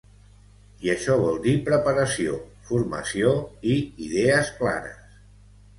I això vol dir preparació, formació i idees clares.